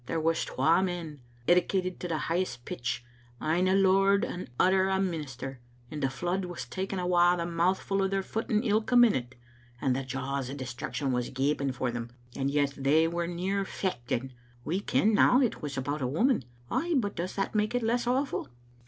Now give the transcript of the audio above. There was twa men, edicated to the high est pitch, ane a lord and the other a minister, and the flood was taking awa a mouthful o' their footing ilka minute, and the jaws o' destruction was gaping for them, and yet they were near fechting. We ken now it was about a woman. Ay, but does that make it less awful?"